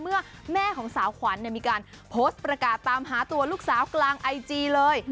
เมื่อแม่ของสาวขวัญมีการโพสต์ประกาศตามหาตัวลูกสาวกลางไอจีเลย